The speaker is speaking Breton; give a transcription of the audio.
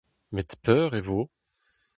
Met peur e vo ?